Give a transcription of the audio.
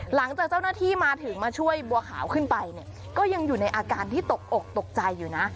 หลังจากเจ้าหน้าที่มาถึงมาช่วยบัวขาวขึ้นไปเนี่ยก็ยังอยู่ในอาการที่ตกอกตกใจอยู่นะ